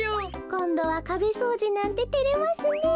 こんどはかべそうじなんててれますねえ。